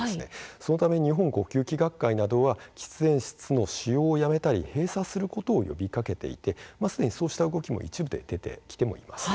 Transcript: そのため日本呼吸器学会などは喫煙室の使用をやめたり閉鎖することを呼びかけていてすでにそうした動きも一部で出てきてもいます。